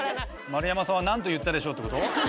「丸山さんは何と言ったでしょう？」って事？